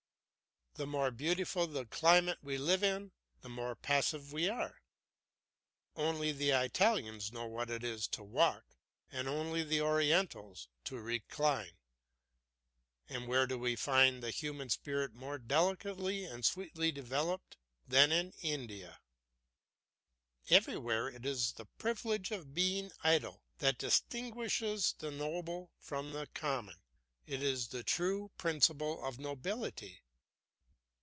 The more beautiful the climate we live in, the more passive we are. Only the Italians know what it is to walk, and only the Orientals to recline. And where do we find the human spirit more delicately and sweetly developed than in India? Everywhere it is the privilege of being idle that distinguishes the noble from the common; it is the true principle of nobility.